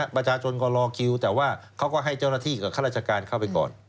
ประชาชนก็รอคิวแต่ว่าเขาก็ให้เจ้าหน้าที่กับข้าราชการเข้าไปก่อน